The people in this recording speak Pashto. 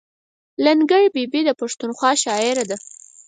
لنګر بي بي د پښتونخوا شاعره ده.